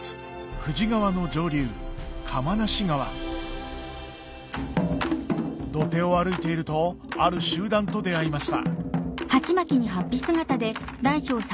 富士川の上流土手を歩いているとある集団と出会いました